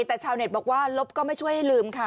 แต่ชาวเน็ตบอกว่าลบก็ไม่ช่วยให้ลืมค่ะ